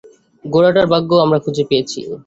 ঘোড়াটার ভাগ্য আমরা খুঁজে পেয়েছি।